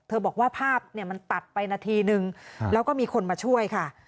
บอกว่าภาพเนี่ยมันตัดไปนาทีนึงแล้วก็มีคนมาช่วยค่ะ